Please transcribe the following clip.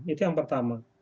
itu yang pertama